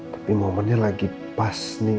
tapi momennya lagi pas nih